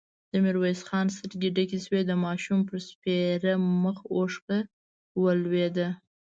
د ميرويس خان سترګې ډکې شوې، د ماشوم پر سپېره مخ اوښکه ولوېده.